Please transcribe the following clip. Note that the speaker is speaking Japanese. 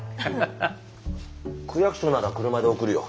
区役所なら車で送るよ。